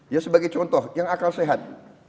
ya sebagai contoh yang akal sehat